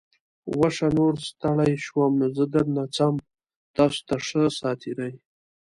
وشه. نوره ستړی شوم. زه درنه څم. تاسو ته ښه ساعتېری!